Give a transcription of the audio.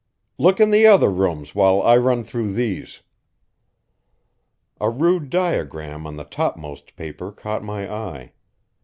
"Look in the other rooms while I run through these." A rude diagram on the topmost paper caught my eye.